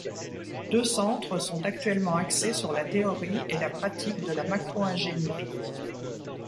Deux centres sont actuellement axés sur la théorie et la pratique de la macro-ingénierie.